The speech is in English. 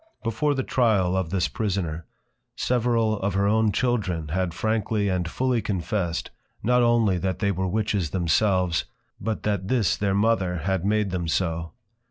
Before the Trial of this Prisoner, several of her own Children had frankly and fully confessed, not only that they were Witches themselves, but that this their Mother had made them so.